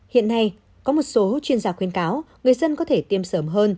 hiện nay có một số chuyên gia khuyên cáo người dân có thể tiêm sớm hơn